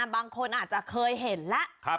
บางคนอาจจะเคยเห็นแล้ว